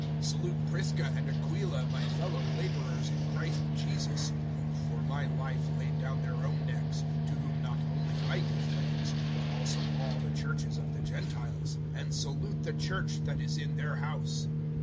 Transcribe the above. (3)Salute Prisca and Aquila, my fellow laborers in Christ Jesus (4)(who for my life laid down their own necks; to whom not only I give thanks, but also all the churches of the Gentiles), (5)and salute the church that is in their house.